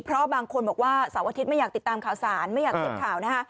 เพราะบางคนบอกว่าเสาร์อาทิตย์ไม่อยากติดตามข่าวสารไม่อยากติดข่าวนะฮะ